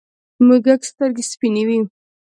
موږک سترگې سپینې وې.